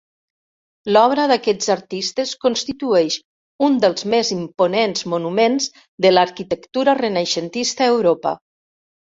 L'obra d'aquests artistes constitueix un dels més imponents monuments de l'arquitectura renaixentista a Europa.